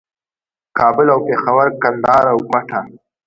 کابل او پېښور، کندهار او کوټه